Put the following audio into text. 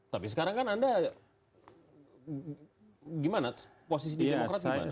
tapi sekarang kan anda gimana posisi di demokrat gimana